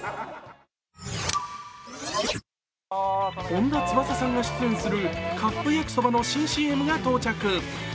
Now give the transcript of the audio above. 本田翼さんが出演するカップ焼きそばの新ＣＭが到着。